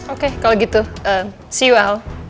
oke kalau gitu see you al